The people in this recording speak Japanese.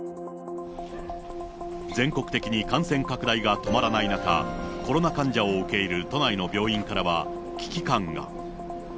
全国的に感染拡大が止まらない中、コロナ患者を受け入れる都内の病院からは、危機感が。